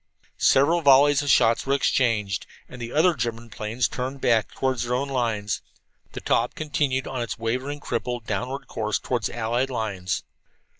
Several volleys of shots were exchanged, and the other German planes turned back toward their own lines. The Taube continued on its wavering, crippled, downward course toward the allied lines.